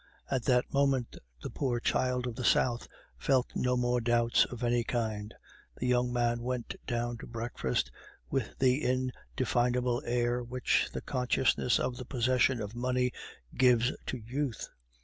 At that moment the poor child of the South felt no more doubts of any kind. The young man went down to breakfast with the indefinable air which the consciousness of the possession of money gives to youth.